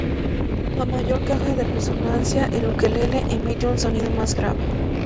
A mayor caja de resonancia, el ukelele emite un sonido más grave.